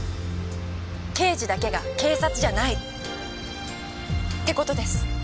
刑事だけが警察じゃないって事です。